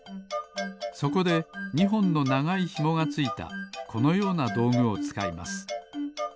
そこで２ほんのながいひもがついたこのようなどうぐをつかいます。